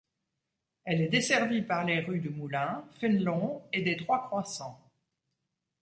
Elle est desservie par les rues du Moulin, Fénelon et des Trois-Croissants.